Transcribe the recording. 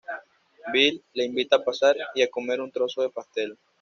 Billy le invita a pasar, y a comer un trozo de pastel.